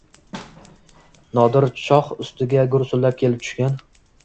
Nodir choh tubiga gursillab kelib tushgan